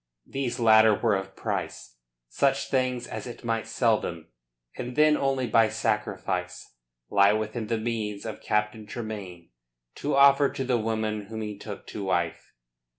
These latter were of price, such things as it might seldom and then only by sacrifice lie within the means of Captain Tremayne to offer to the woman whom he took to wife.